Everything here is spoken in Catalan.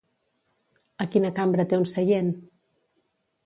A quina cambra té un seient?